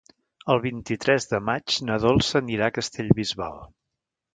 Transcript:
El vint-i-tres de maig na Dolça anirà a Castellbisbal.